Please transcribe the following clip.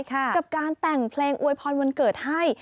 กับการแต่งเพลงอวยพรวันเกิดให้